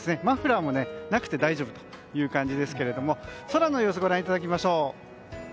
マフラーもなくて大丈夫という感じですが空の様子をご覧いただきましょう。